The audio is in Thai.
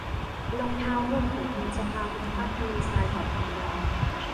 รองเท้าเงินของคุณจะพาคุณข้ามทะเลทรายตอบกลินดา